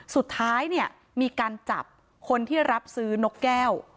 สุดท้ายเนี่ยมีการจับคนที่รับซื้อนกแก้ว